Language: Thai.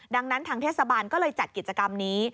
ดังนั้นทางเทศบาลก็เลยจัดกิจกรรมนี้